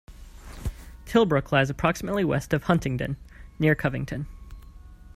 Tilbrook lies approximately west of Huntingdon, near Covington.